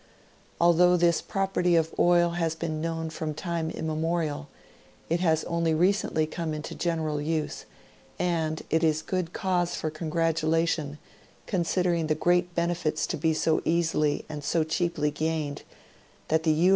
Although this property of oil has been known from time immemorial, it has only recently come into general use, and it is good cause for congratulation, con sidering the great benefits to be so easily and so cheaply gained, that the U.